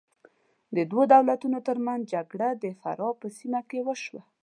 د دوو دولتونو تر منځ جګړه د فراه په سیمه کې وشوه.